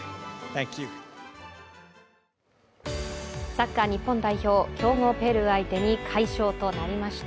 サッカー日本代表、強豪ペルー相手に快勝しました。